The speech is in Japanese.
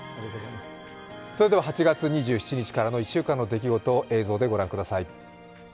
それでは８月２７日からの１週間の出来事映像でご覧ください。